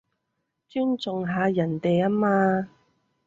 尊重下人哋吖嘛